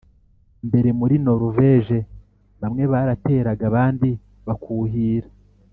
mbere muri Noruveje bamwe barateraga abandi bakuhira